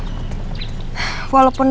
walaupun aku gak terlalu akrab sama dia